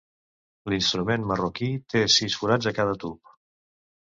L'instrument marroquí té sis forats a cada tub.